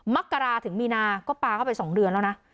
มักกราถึงมีนาก็ปลาเข้าไป๒เดือนแล้วนะ